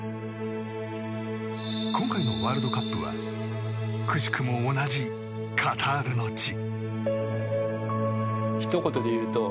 今回のワールドカップはくしくも同じカタールの地。